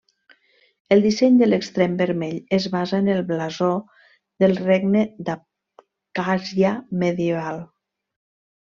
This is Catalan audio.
El disseny de l'extrem vermell es basa en el blasó del Regne d'Abkhàzia medieval.